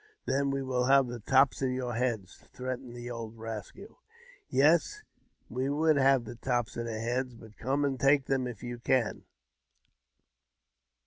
" Then we will have the tops of your heads," threatened the old rascal. " Yes, you v^ould have the tops of our heads ; but come an( take them, if you can."